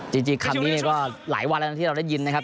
จริงคำนี้ก็หลายวันแล้วนะที่เราได้ยินนะครับ